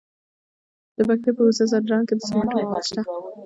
د پکتیا په وزه ځدراڼ کې د سمنټو مواد شته.